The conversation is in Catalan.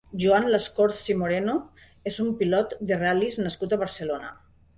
Joan Lascorz i Moreno és un pilot de ral·lies nascut a Barcelona.